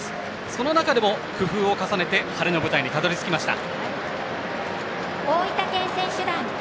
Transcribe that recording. その中でも工夫を重ねて春の舞台にたどりつきました。